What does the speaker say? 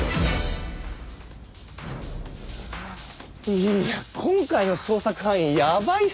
いや今回の捜索範囲やばいっすね。